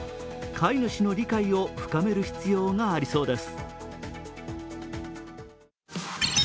飼い主の理解を深める必要がありそうです。